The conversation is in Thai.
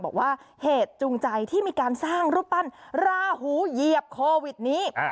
บอกว่าเหตุจูงใจที่มีการสร้างรูปปั้นราหูเหยียบโควิดนี้